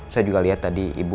saya juga lihat tadi ibu